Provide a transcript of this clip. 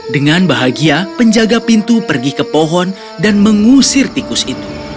dengan bahagia penjaga pintu pergi ke pohon dan mengusir tikus itu